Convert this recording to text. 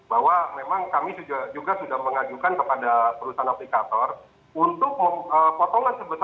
bahwa memang kami juga sudah mengajukan kepada perusahaan aplikator